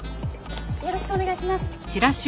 よろしくお願いします。